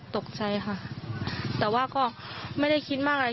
ตกใจค่ะแต่ว่าก็ไม่ได้คิดมากอะไร